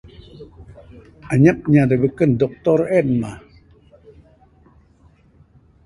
Anyap inya da beken, doctor en mah.